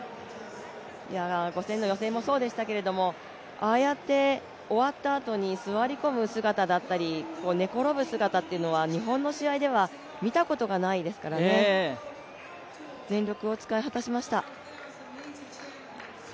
５０００の予選もそうでしたけれどもああやって終わったあとに座り込む姿だったり寝転ぶ姿というのは日本の試合では見たことがないですからね全力を使い果たしました。